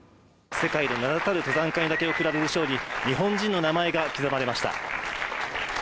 世界で名だたる登山家だけに贈られる賞に日本人の名前が刻まれました。